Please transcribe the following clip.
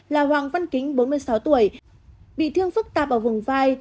là hoàng văn kính bốn mươi sáu tuổi bị thương phức tạp ở vùng vai